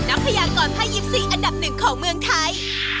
นักพยากรภายยิปซีอันดับหนึ่งของเมืองไทย